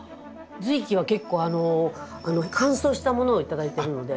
芋茎は結構あの乾燥したものを頂いてるので。